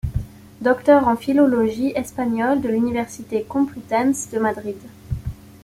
Docteur en philologie espagnole de l'Université Complutense de Madrid.